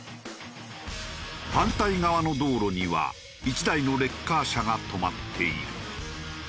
反対側の道路には１台のレッカー車が止まっている。